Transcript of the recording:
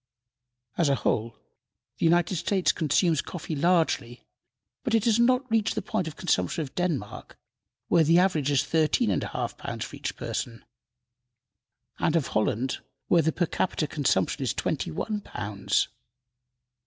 As a whole, the United States consumes coffee largely, but it has not reached the point of consumption of Denmark, where the average is thirteen and a half pounds for each person, and of Holland, where the per capita consumption is twenty one pounds.